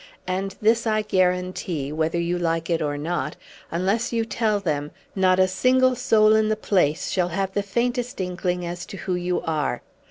And this I guarantee whether you like it or not unless you tell them, not a single soul in the place shall have the faintest inkling as to who you are.